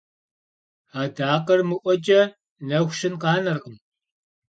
Адакъэр мыӀуэкӀэ нэху щын къанэркъым.